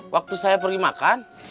waktu saya pergi makan